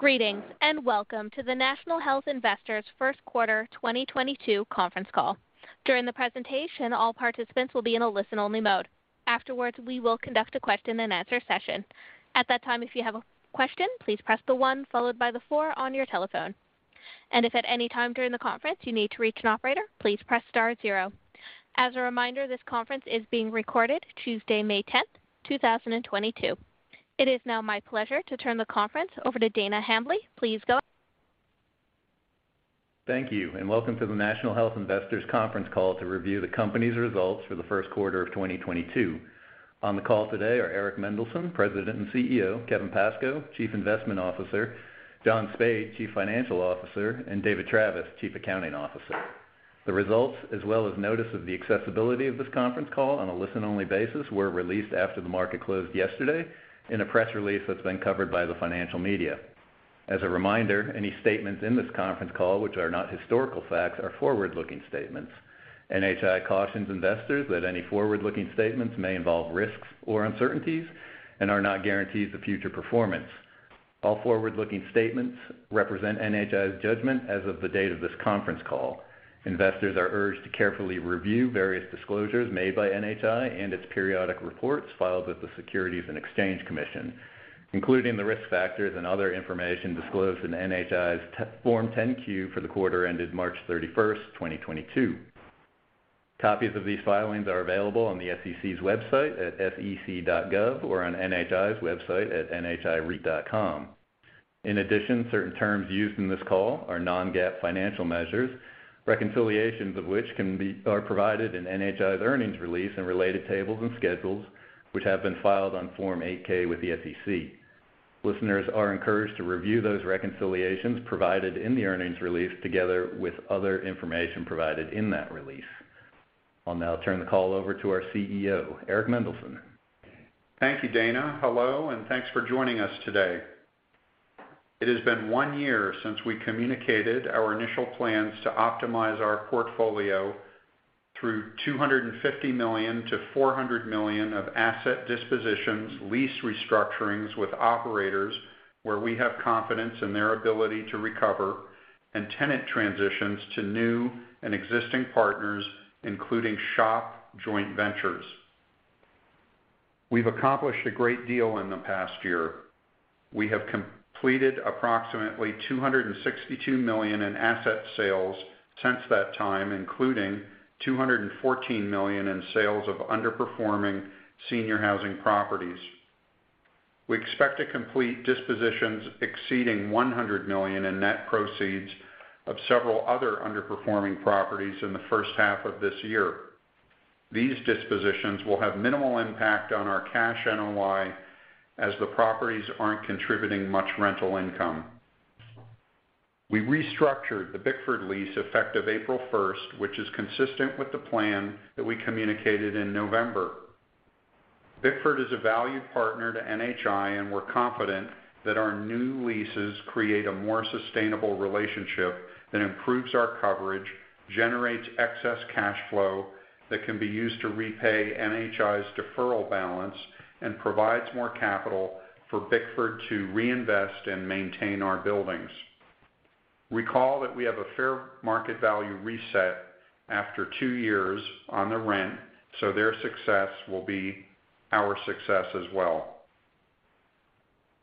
Greetings, and welcome to the National Health Investors first quarter 2022 conference call. During the presentation, all participants will be in a listen-only mode. Afterwards, we will conduct a question-and-answer session. At that time, if you have a question, please press the one followed by the four on your telephone. If at any time during the conference you need to reach an operator, please press star zero. As a reminder, this conference is being recorded Tuesday, May 10, 2022. It is now my pleasure to turn the conference over to Dana Hambly. Please go ahead. Thank you, and welcome to the National Health Investors conference call to review the company's results for the first quarter of 2022. On the call today are Eric Mendelsohn, President, and CEO, Kevin Pascoe, Chief Investment Officer, John Spaid, Chief Financial Officer, and David Travis, Chief Accounting Officer. The results, as well as notice of the accessibility of this conference call on a listen-only basis, were released after the market closed yesterday in a press release that's been covered by the financial media. As a reminder, any statements in this conference call which are not historical facts are forward-looking statements. NHI cautions investors that any forward-looking statements may involve risks or uncertainties and are not guarantees of future performance. All forward-looking statements represent NHI's judgment as of the date of this conference call. Investors are urged to carefully review various disclosures made by NHI and its periodic reports filed with the Securities and Exchange Commission, including the risk factors and other information disclosed in NHI's Form 10-Q for the quarter ended March 31, 2022. Copies of these filings are available on the SEC's website at sec.gov or on NHI's website at nhireit.com. In addition, certain terms used in this call are non-GAAP financial measures, reconciliations of which are provided in NHI's earnings release and related tables and schedules, which have been filed on Form 8-K with the SEC. Listeners are encouraged to review those reconciliations provided in the earnings release together with other information provided in that release. I'll now turn the call over to our CEO, Eric Mendelsohn. Thank you, Dana. Hello, and thanks for joining us today. It has been one year since we communicated our initial plans to optimize our portfolio through $250 million-$400 million of asset dispositions, lease restructurings with operators where we have confidence in their ability to recover, and tenant transitions to new and existing partners, including SHOP joint ventures. We've accomplished a great deal in the past year. We have completed approximately $262 million in asset sales since that time, including $214 million in sales of underperforming senior housing properties. We expect to complete dispositions exceeding $100 million in net proceeds of several other underperforming properties in the first half of this year. These dispositions will have minimal impact on our cash NOI as the properties aren't contributing much rental income. We restructured the Bickford lease effective April 1st, which is consistent with the plan that we communicated in November. Bickford is a valued partner to NHI, and we're confident that our new leases create a more sustainable relationship that improves our coverage, generates excess cash flow that can be used to repay NHI's deferral balance, and provides more capital for Bickford to reinvest and maintain our buildings. Recall that we have a fair market value reset after two years on the rent, so their success will be our success as well.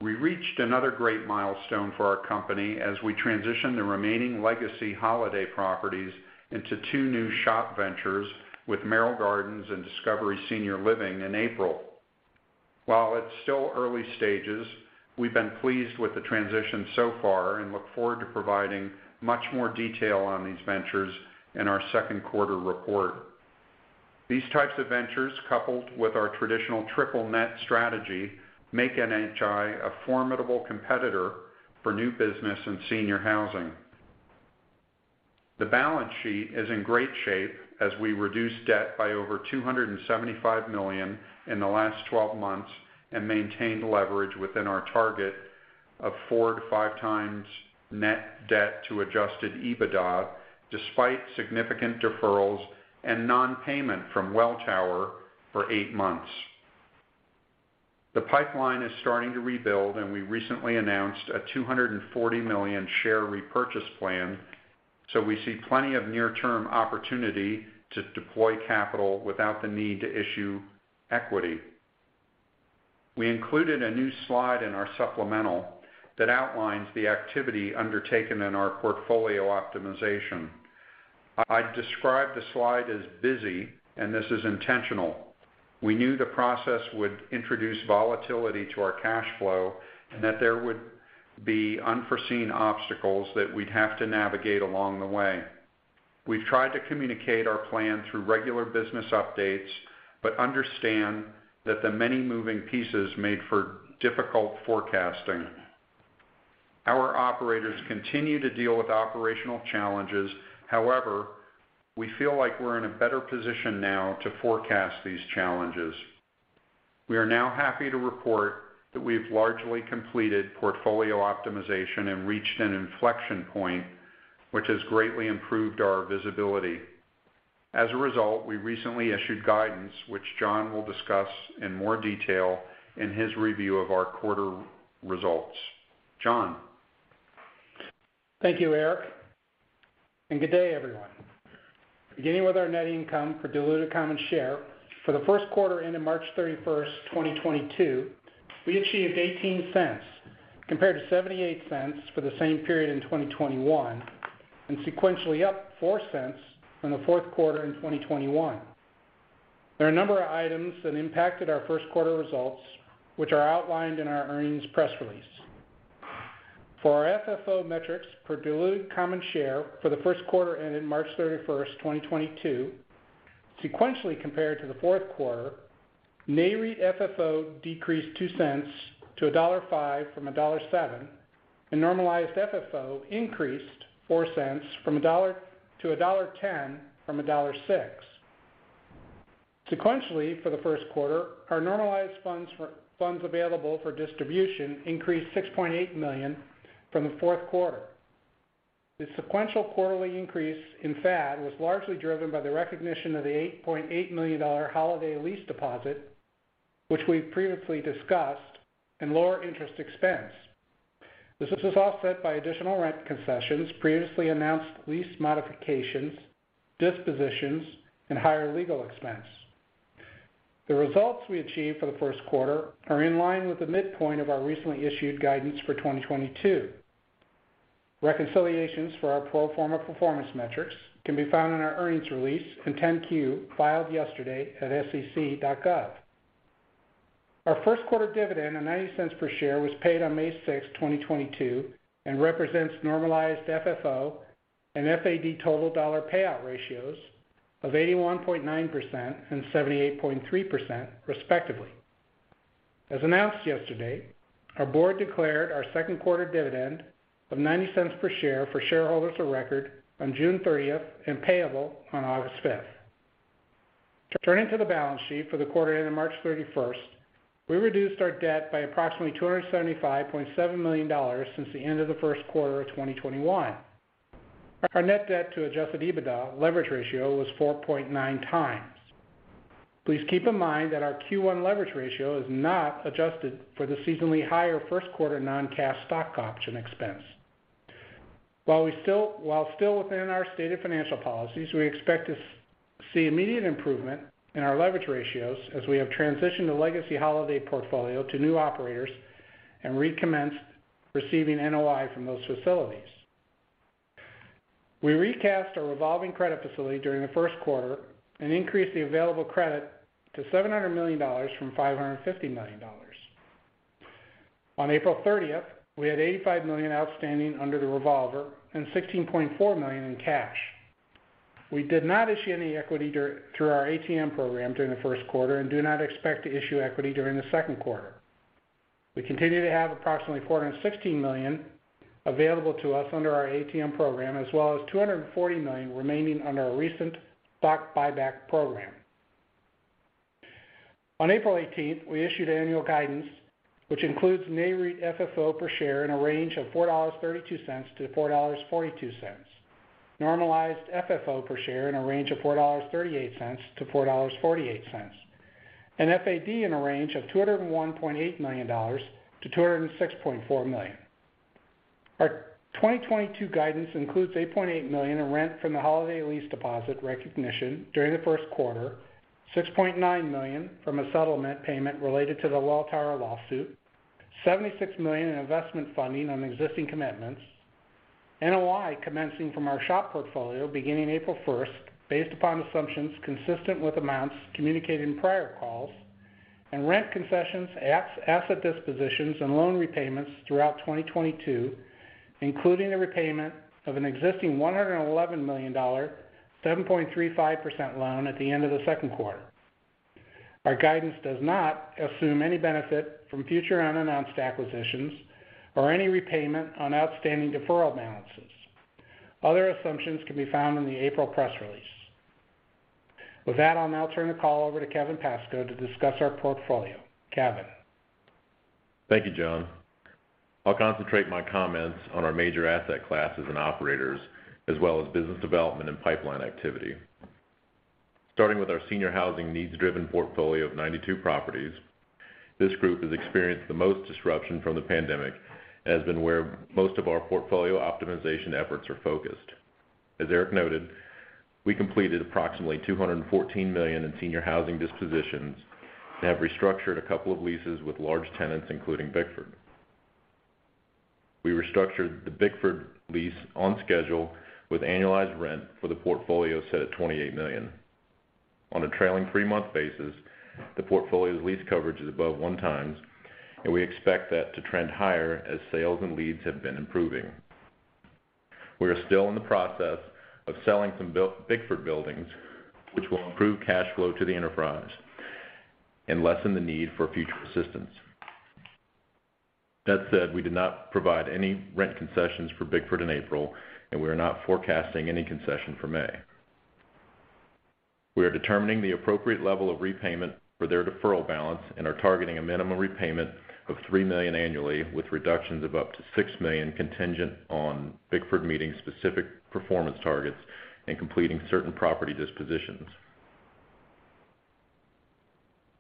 We reached another great milestone for our company as we transitioned the remaining legacy Holiday properties into two new SHOP ventures with Merrill Gardens and Discovery Senior Living in April. While it's still early stages, we've been pleased with the transition so far and look forward to providing much more detail on these ventures in our second quarter report. These types of ventures, coupled with our traditional triple net strategy, make NHI a formidable competitor for new business in senior housing. The balance sheet is in great shape as we reduced debt by over $275 million in the last 12 months and maintained leverage within our target of 4x-5x net debt to adjusted EBITDA despite significant deferrals and non-payment from Welltower for eight months. The pipeline is starting to rebuild, and we recently announced a $240 million share repurchase plan, so we see plenty of near-term opportunity to deploy capital without the need to issue equity. We included a new slide in our supplemental that outlines the activity undertaken in our portfolio optimization. I'd describe the slide as busy, and this is intentional. We knew the process would introduce volatility to our cash flow and that there would be unforeseen obstacles that we'd have to navigate along the way. We've tried to communicate our plan through regular business updates, but understand that the many moving pieces made for difficult forecasting. Our operators continue to deal with operational challenges. However, we feel like we're in a better position now to forecast these challenges. We are now happy to report that we've largely completed portfolio optimization and reached an inflection point which has greatly improved our visibility. As a result, we recently issued guidance, which John will discuss in more detail in his review of our quarter results. John? Thank you, Eric, and good day, everyone. Beginning with our net income for diluted common share. For the first quarter ending March 31, 2022, we achieved $0.18 compared to $0.78 for the same period in 2021, and sequentially up $0.4 from the fourth quarter in 2021. There are a number of items that impacted our first quarter results, which are outlined in our earnings press release. For our FFO metrics per diluted common share for the first quarter ending March 31, 2022, sequentially compared to the fourth quarter, Nareit FFO decreased $0.2-$1.05 from $1.07, and normalized FFO increased $0.4 from $1.06 to $1.10. Sequentially, for the first quarter, our normalized funds available for distribution increased $6.8 million from the fourth quarter. The sequential quarterly increase in FAD was largely driven by the recognition of the $8.8 million Holiday lease deposit, which we've previously discussed, and lower interest expense. This was offset by additional rent concessions, previously announced lease modifications, dispositions, and higher legal expense. The results we achieved for the first quarter are in line with the midpoint of our recently issued guidance for 2022. Reconciliations for our pro forma performance metrics can be found in our earnings release and 10-Q filed yesterday at sec.gov. Our first quarter dividend of $0.90 per share was paid on May 6, 2022, and represents normalized FFO and FAD total dollar payout ratios of 81.9% and 78.3% respectively. As announced yesterday, our board declared our second quarter dividend of $0.90 per share for shareholders of record on June 30 and payable on August 5. Turning to the balance sheet for the quarter ending March 31, we reduced our debt by approximately $275.7 million since the end of the first quarter of 2021. Our net debt to adjusted EBITDA leverage ratio was 4.9x. Please keep in mind that our Q1 leverage ratio is not adjusted for the seasonally higher first quarter non-cash stock option expense. While still within our stated financial policies, we expect to see immediate improvement in our leverage ratios as we have transitioned the legacy Holiday portfolio to new operators and recommenced receiving NOI from those facilities. We recast our revolving credit facility during the first quarter and increased the available credit to $700 million from $550 million. On April 30, we had $85 million outstanding under the revolver and $16.4 million in cash. We did not issue any equity during our ATM program during the first quarter and do not expect to issue equity during the second quarter. We continue to have approximately $416 million available to us under our ATM program, as well as $240 million remaining under our recent stock buyback program. On April 18th, we issued annual guidance, which includes NAREIT FFO per share in a range of $4.32-$4.42, normalized FFO per share in a range of $4.38-$4.48, and FAD in a range of $201.8 million-$206.4 million. Our 2022 guidance includes $8.8 million in rent from the Holiday lease deposit recognition during the first quarter, $6.9 million from a settlement payment related to the Welltower lawsuit, $76 million in investment funding on existing commitments, NOI commencing from our SHOP portfolio beginning April 1 based upon assumptions consistent with amounts communicated in prior calls, and rent concessions, asset dispositions, and loan repayments throughout 2022, including the repayment of an existing $111 million, 7.35% loan at the end of the second quarter. Our guidance does not assume any benefit from future unannounced acquisitions or any repayment on outstanding deferral balances. Other assumptions can be found in the April press release. With that, I'll now turn the call over to Kevin Pascoe to discuss our portfolio. Kevin? Thank you, John. I'll concentrate my comments on our major asset classes and operators, as well as business development and pipeline activity. Starting with our senior housing needs-driven portfolio of 92 properties. This group has experienced the most disruption from the pandemic and has been where most of our portfolio optimization efforts are focused. As Eric noted, we completed approximately $214 million in senior housing dispositions and have restructured a couple of leases with large tenants, including Bickford. We restructured the Bickford lease on schedule with annualized rent for the portfolio set at $28 million. On a trailing three-month basis, the portfolio's lease coverage is above 1x, and we expect that to trend higher as sales and leads have been improving. We are still in the process of selling some Bickford buildings, which will improve cash flow to the enterprise and lessen the need for future assistance. That said, we did not provide any rent concessions for Bickford in April, and we are not forecasting any concession for May. We are determining the appropriate level of repayment for their deferral balance and are targeting a minimum repayment of $3 million annually, with reductions of up to $6 million contingent on Bickford meeting specific performance targets and completing certain property dispositions.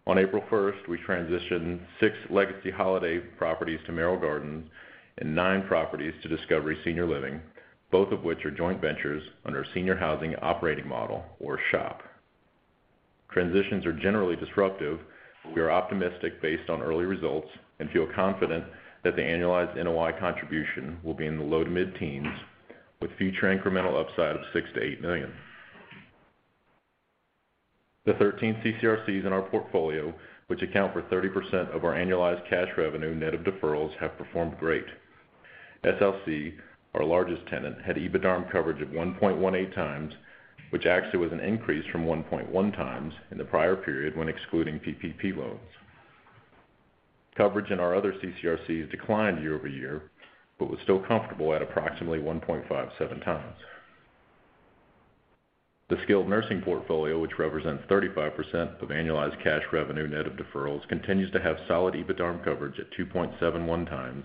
On April 1st, we transitioned six legacy Holiday properties to Merrill Gardens and nine properties to Discovery Senior Living, both of which are joint ventures under our senior housing operating model, or SHOP. Transitions are generally disruptive, but we are optimistic based on early results and feel confident that the annualized NOI contribution will be in the low to mid-teens, with future incremental upside of $6 million-$8 million. The 13 CCRCs in our portfolio, which account for 30% of our annualized cash revenue net of deferrals, have performed great. SLC, our largest tenant, had EBITDARM coverage of 1.18x, which actually was an increase from 1.1x in the prior period when excluding PPP loans. Coverage in our other CCRCs declined year-over-year, but was still comfortable at approximately 1.57x. The skilled nursing portfolio, which represents 35% of annualized cash revenue net of deferrals, continues to have solid EBITDARM coverage at 2.71x,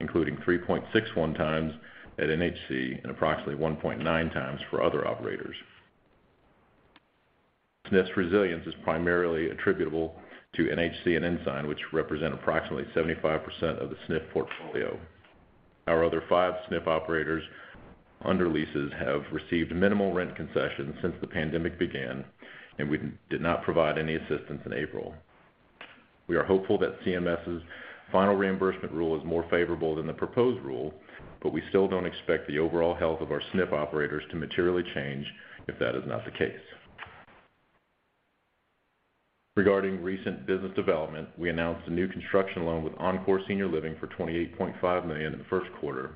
including 3.61x at NHC and approximately 1.9x for other operators. SNF's resilience is primarily attributable to NHC and Ensign, which represent approximately 75% of the SNF portfolio. Our other SNF 5 operators under leases have received minimal rent concessions since the pandemic began, and we did not provide any assistance in April. We are hopeful that CMS's final reimbursement rule is more favorable than the proposed rule, but we still don't expect the overall health of our SNF operators to materially change if that is not the case. Regarding recent business development, we announced a new construction loan with Encore Senior Living for $28.5 million in the first quarter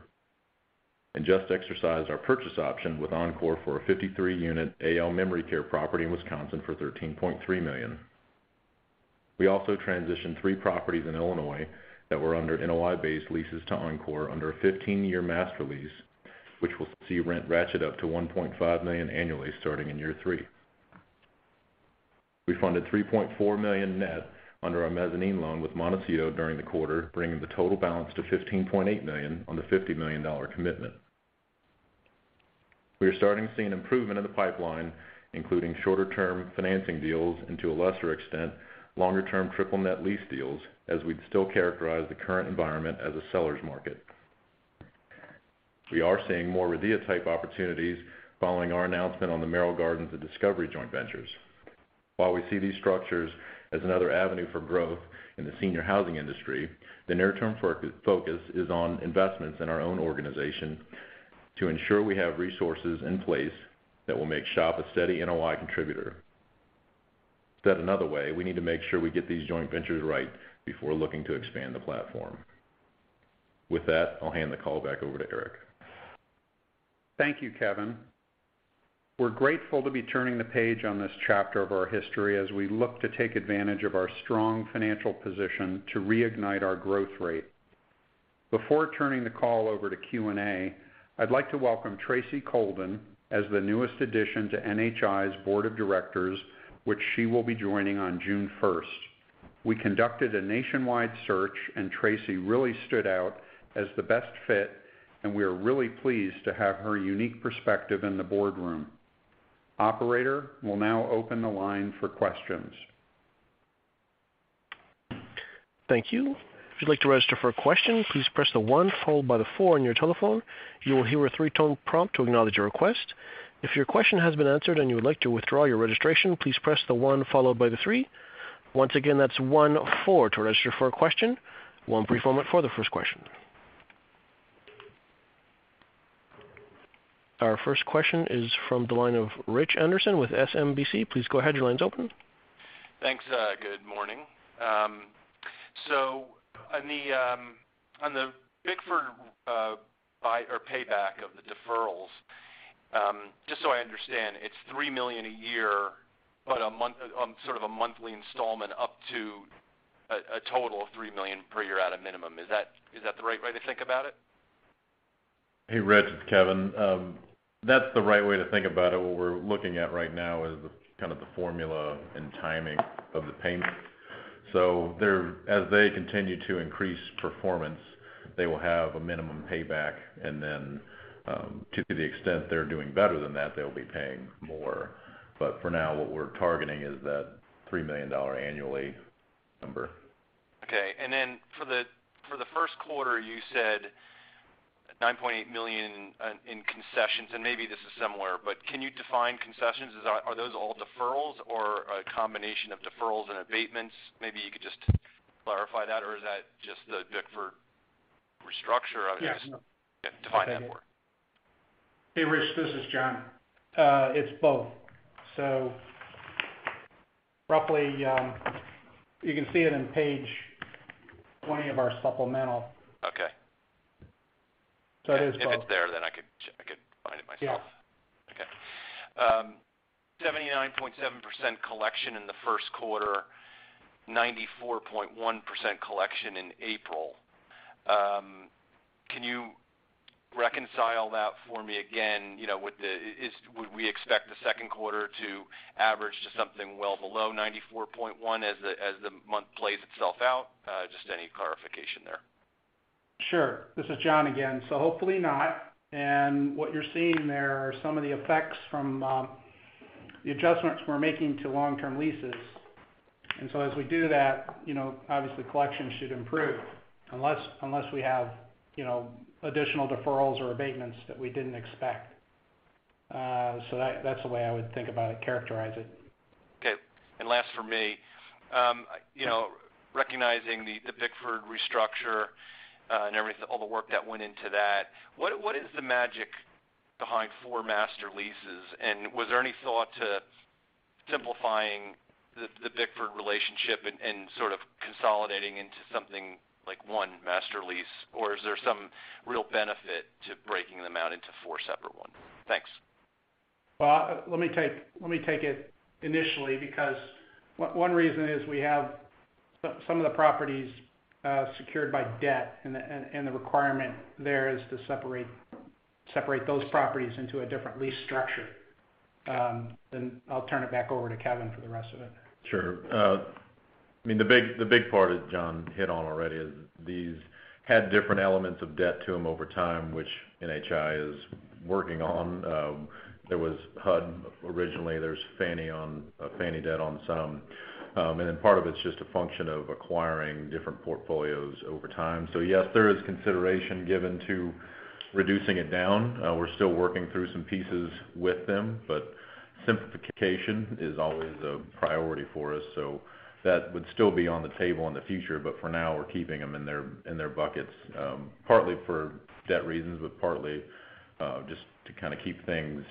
and just exercised our purchase option with Encore for a 53-unit AL memory care property in Wisconsin for $13.3 million. We also transitioned three properties in Illinois that were under NOI-based leases to Encore under a 15-year master lease, which will see rent ratchet up to $1.5 million annually starting in year three. We funded $3.4 million net under our mezzanine loan with Montecito during the quarter, bringing the total balance to $15.8 million on the $50 million commitment. We are starting to see an improvement in the pipeline, including shorter-term financing deals and to a lesser extent, longer-term triple net lease deals as we'd still characterize the current environment as a seller's market. We are seeing more RIDEA-type opportunities following our announcement on the Merrill Gardens and Discovery joint ventures. While we see these structures as another avenue for growth in the senior housing industry, the near-term focus is on investments in our own organization to ensure we have resources in place that will make SHOP a steady NOI contributor. Said another way, we need to make sure we get these joint ventures right before looking to expand the platform. With that, I'll hand the call back over to Eric. Thank you, Kevin. We're grateful to be turning the page on this chapter of our history as we look to take advantage of our strong financial position to reignite our growth rate. Before turning the call over to Q&A, I'd like to welcome Tracy Colden as the newest addition to NHI's board of directors, which she will be joining on June first. We conducted a nationwide search, and Tracy really stood out as the best fit, and we are really pleased to have her unique perspective in the boardroom. Operator, we'll now open the line for questions. Thank you. If you'd like to register for a question, please press one followed by four on your telephone. You will hear a three-tone prompt to acknowledge your request. If your question has been answered and you would like to withdraw your registration, please press one followed by three. Once again, that's one-four to register for a question. One brief moment for the first question. Our first question is from the line of Rich Anderson with SMBC. Please go ahead. Your line's open. Thanks. Good morning. On the Bickford buyout or payback of the deferrals, just so I understand, it's $3 million a year, but on a monthly installment up to a total of $3 million per year at a minimum. Is that the right way to think about it? Hey, Rich, it's Kevin. That's the right way to think about it. What we're looking at right now is the kind of the formula and timing of the payments. As they continue to increase performance, they will have a minimum payback, and then, to the extent they're doing better than that, they'll be paying more. For now, what we're targeting is that $3 million annually number. Okay. For the first quarter, you said $9.8 million in concessions, and maybe this is similar, but can you define concessions? Are those all deferrals or a combination of deferrals and abatements? Maybe you could just clarify that, or is that just the Bickford restructure? I'm just. Yes. Define that more. Hey, Rich, this is John. It's both. Roughly, you can see it in page 20 of our supplemental. Okay. It is both. If it's there, then I could find it myself. Yeah. Okay. 79.7% collection in the first quarter, 94.1% collection in April. Can you reconcile that for me again, you know, would we expect the second quarter to average to something well below 94.1% as the month plays itself out? Just any clarification there. Sure. This is John again. Hopefully not. What you're seeing there are some of the effects from the adjustments we're making to long-term leases. As we do that, you know, obviously, collections should improve unless we have, you know, additional deferrals or abatements that we didn't expect. That's the way I would think about it, characterize it. Okay. Last for me. You know, recognizing the Bickford restructure, and all the work that went into that, what is the magic behind four master leases? And was there any thought to simplifying the Bickford relationship and sort of consolidating into something like one master lease? Or is there some real benefit to breaking them out into four separate ones? Thanks. Well, let me take it initially because one reason is we have some of the properties secured by debt, and the requirement there is to separate those properties into a different lease structure. I'll turn it back over to Kevin for the rest of it. Sure. I mean, the big part that John hit on already is these had different elements of debt to them over time, which NHI is working on. There was HUD originally, there's Fannie Mae debt on some. And then part of it's just a function of acquiring different portfolios over time. Yes, there is consideration given to reducing it down. We're still working through some pieces with them, but simplification is always a priority for us. That would still be on the table in the future. For now, we're keeping them in their buckets, partly for debt reasons, but partly just to kind of keep things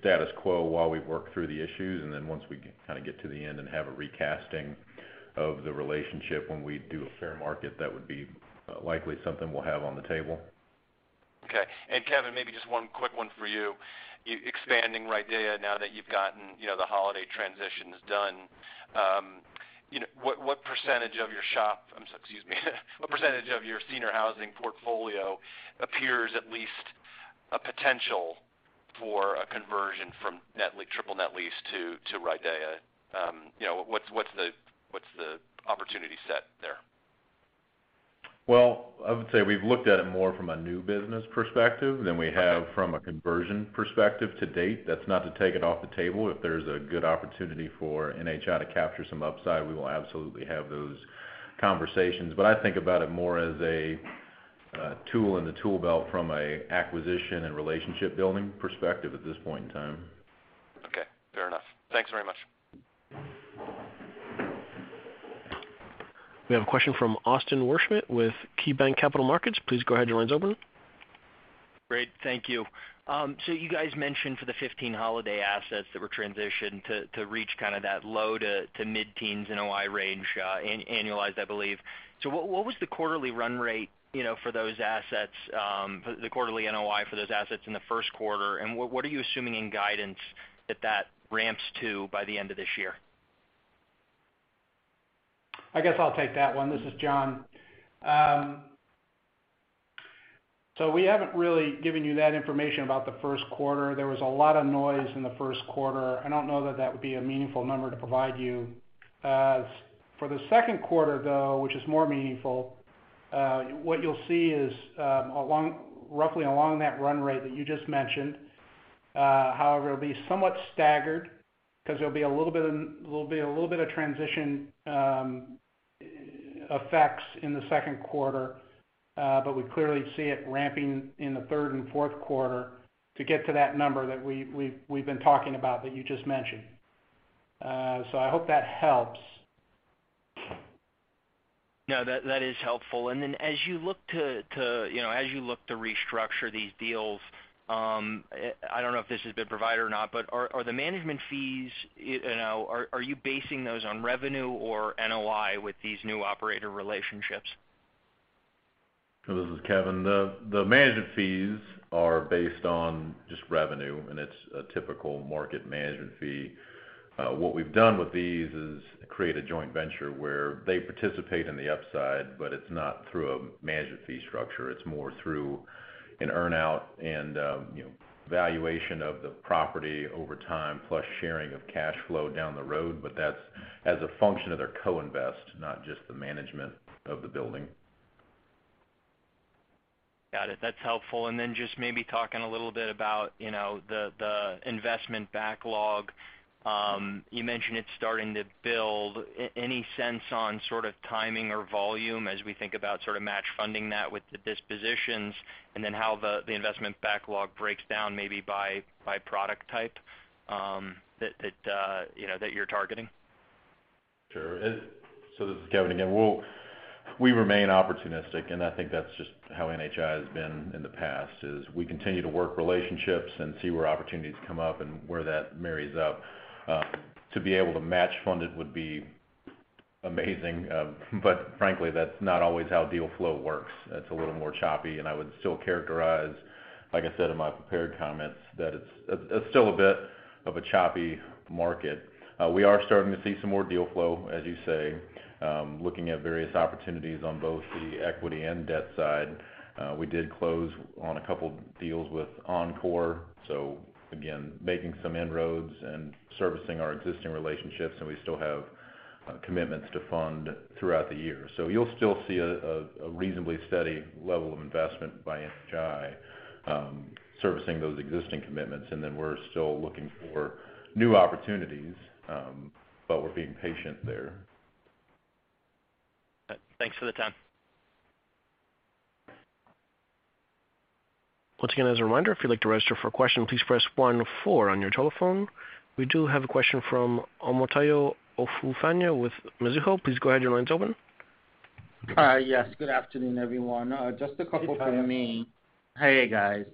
status quo while we work through the issues. Once we kind of get to the end and have a recasting of the relationship, when we do a fair market, that would be, likely something we'll have on the table. Okay. Kevin, maybe just one quick one for you. Expanding RIDEA now that you've gotten, you know, the Holiday transitions done, you know, what percentage of your SHOP. What percentage of your senior housing portfolio appears at least a potential for a conversion from triple net lease to RIDEA? You know, what's the opportunity set there? Well, I would say we've looked at it more from a new business perspective than we have from a conversion perspective to date. That's not to take it off the table. If there's a good opportunity for NHI to capture some upside, we will absolutely have those conversations. I think about it more as a tool in the tool belt from a acquisition and relationship building perspective at this point in time. Okay. Fair enough. Thanks very much. We have a question from Austin Wurschmidt with KeyBanc Capital Markets. Please go ahead. Your line's open. Great. Thank you. You guys mentioned for the 15 Holiday assets that were transitioned to reach kind of that low- to mid-teens NOI range, annualized, I believe. What was the quarterly run rate, you know, for those assets, the quarterly NOI for those assets in the first quarter? And what are you assuming in guidance that that ramps to by the end of this year? I guess I'll take that one. This is John. We haven't really given you that information about the first quarter. There was a lot of noise in the first quarter. I don't know that would be a meaningful number to provide you. For the second quarter, though, which is more meaningful, what you'll see is roughly along that run rate that you just mentioned. However, it'll be somewhat staggered because there'll be a little bit of transition effects in the second quarter. But we clearly see it ramping in the third and fourth quarter to get to that number that we've been talking about that you just mentioned. I hope that helps. No, that is helpful. As you look to restructure these deals, I don't know if this has been provided or not, but are the management fees, you know, are you basing those on revenue or NOI with these new operator relationships? This is Kevin. The management fees are based on just revenue, and it's a typical market management fee. What we've done with these is create a joint venture where they participate in the upside, but it's not through a management fee structure. It's more through an earn-out and, you know, valuation of the property over time, plus sharing of cash flow down the road. That's as a function of their co-invest, not just the management of the building. Got it. That's helpful. Just maybe talking a little bit about, you know, the investment backlog. You mentioned it's starting to build. Any sense on sort of timing or volume as we think about sort of match funding that with the dispositions, and then how the investment backlog breaks down maybe by product type that you know that you're targeting? Sure. This is Kevin again. We remain opportunistic, and I think that's just how NHI has been in the past, is we continue to work relationships and see where opportunities come up and where that marries up. To be able to match fund, it would be amazing. Frankly, that's not always how deal flow works. It's a little more choppy, and I would still characterize. Like I said in my prepared comments, that it's still a bit of a choppy market. We are starting to see some more deal flow, as you say, looking at various opportunities on both the equity and debt side. We did close on a couple deals with Encore, so again, making some inroads and servicing our existing relationships, and we still have commitments to fund throughout the year. You'll still see a reasonably steady level of investment by NHI, servicing those existing commitments, and then we're still looking for new opportunities, but we're being patient there. Thanks for the time. Once again, as a reminder, if you'd like to register for a question, please press one one-four on your telephone. We do have a question from Omotayo Okusanya with Mizuho. Please go ahead. Your line's open. Yes. Good afternoon, everyone. Just a couple from me. Hey, guys.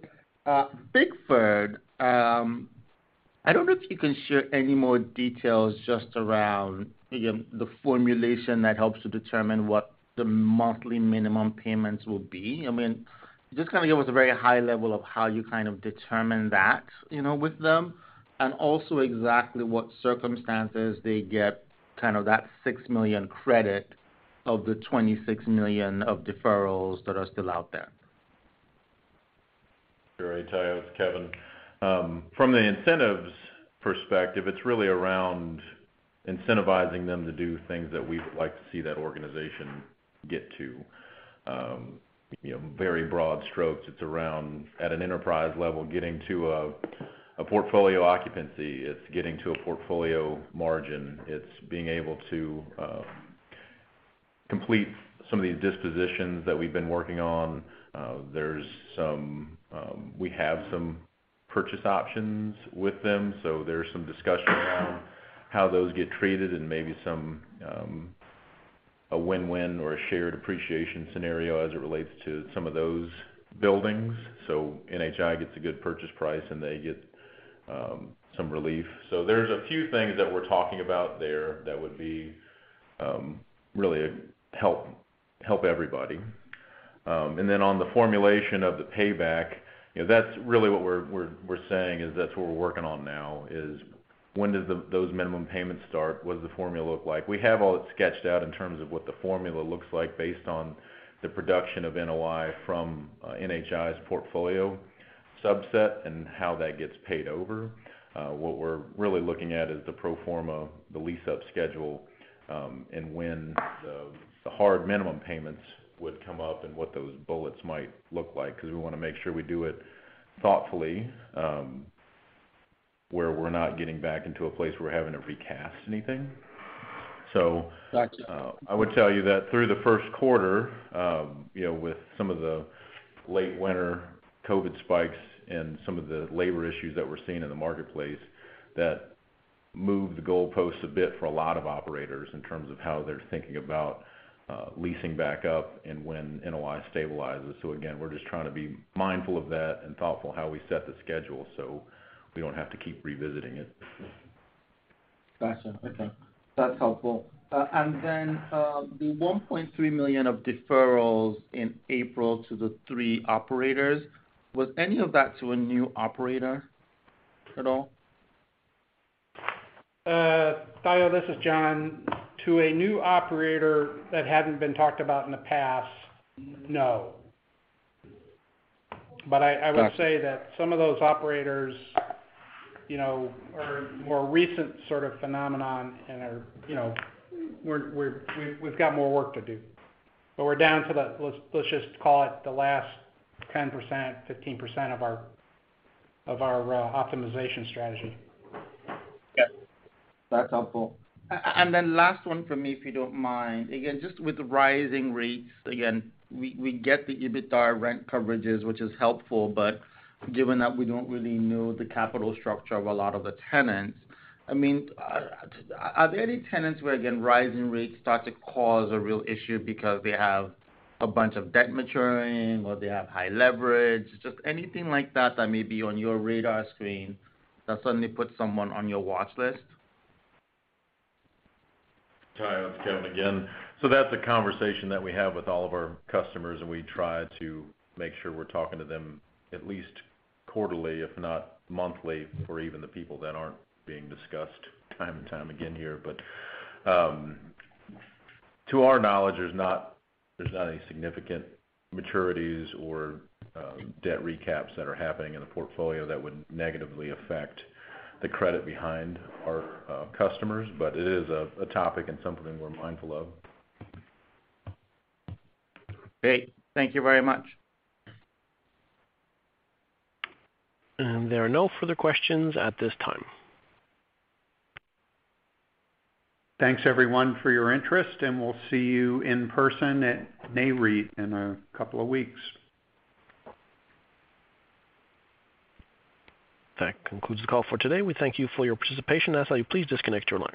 Bickford, I don't know if you can share any more details just around the formulation that helps to determine what the monthly minimum payments will be. I mean, just kinda give us a very high level of how you kind of determine that, you know, with them. Also exactly what circumstances they get kind of that $6 million credit of the $26 million of deferrals that are still out there. Sure, Tayo. It's Kevin. From the incentives perspective, it's really around incentivizing them to do things that we would like to see that organization get to. You know, very broad strokes, it's around at an enterprise level, getting to a portfolio occupancy. It's getting to a portfolio margin. It's being able to complete some of these dispositions that we've been working on. There's some we have some purchase options with them, so there's some discussion around how those get treated and maybe some a win-win or a shared appreciation scenario as it relates to some of those buildings. NHI gets a good purchase price, and they get some relief. There's a few things that we're talking about there that would be really help everybody. on the formulation of the payback, you know, that's really what we're saying is that's what we're working on now is when does those minimum payments start? What does the formula look like? We have all of it sketched out in terms of what the formula looks like based on the production of NOI from NHI's portfolio subset and how that gets paid over. What we're really looking at is the pro forma, the lease-up schedule, and when the hard minimum payments would come up and what those bullets might look like, 'cause we wanna make sure we do it thoughtfully, where we're not getting back into a place where we're having to recast anything. Gotcha. I would tell you that through the first quarter, you know, with some of the late winter COVID spikes and some of the labor issues that we're seeing in the marketplace, that moved the goalposts a bit for a lot of operators in terms of how they're thinking about leasing back up and when NOI stabilizes. Again, we're just trying to be mindful of that and thoughtful how we set the schedule, so we don't have to keep revisiting it. Gotcha. Okay. That's helpful. The $1.3 million of deferrals in April to the three operators, was any of that to a new operator at all? Tayo, this is John. To a new operator that hadn't been talked about in the past, no. Got it. I would say that some of those operators, you know, are more recent sort of phenomenon and are, you know, we've got more work to do. But we're down to, let's just call it, the last 10%-15% of our optimization strategy. Okay. That's helpful. Last one for me, if you don't mind. Again, just with rising rates, again, we get the EBITDA rent coverages, which is helpful, but given that we don't really know the capital structure of a lot of the tenants, I mean, are there any tenants where, again, rising rates start to cause a real issue because they have a bunch of debt maturing, or they have high leverage? Just anything like that may be on your radar screen that suddenly puts someone on your watch list? Tayo, it's Kevin again. That's a conversation that we have with all of our customers, and we try to make sure we're talking to them at least quarterly, if not monthly, for even the people that aren't being discussed time and time again here. To our knowledge, there's not any significant maturities or debt recaps that are happening in the portfolio that would negatively affect the credit behind our customers. It is a topic and something we're mindful of. Great. Thank you very much. There are no further questions at this time. Thanks, everyone, for your interest, and we'll see you in person at Nareit in a couple of weeks. That concludes the call for today. We thank you for your participation. I ask that you please disconnect your lines.